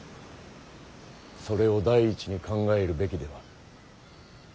それを第一に考えるべきでは。